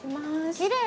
きれい！